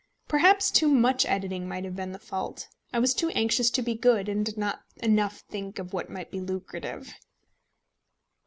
Perhaps too much editing might have been the fault. I was too anxious to be good, and did not enough think of what might be lucrative.